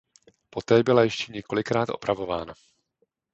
Poté byla ještě několikrát opravována.